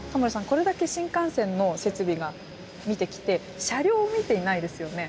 これだけ新幹線の設備が見てきて車両を見ていないですよね。